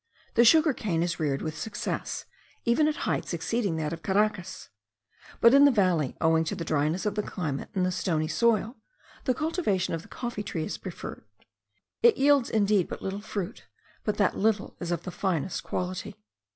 The sugar cane is reared with success, even at heights exceeding that of Caracas; but in the valley, owing to the dryness of the climate, and the stony soil, the cultivation of the coffee tree is preferred: it yields indeed but little fruit, but that little is of the finest quality.